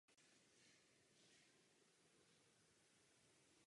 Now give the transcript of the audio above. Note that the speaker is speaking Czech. Po ní bylo možné dřevo transportovat do Prahy.